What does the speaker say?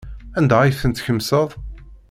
Anda ay tent-tkemseḍ?